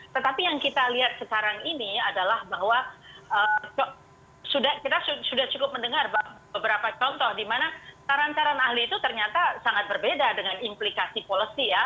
tetapi yang kita lihat sekarang ini adalah bahwa kita sudah cukup mendengar beberapa contoh di mana saran saran ahli itu ternyata sangat berbeda dengan implikasi policy ya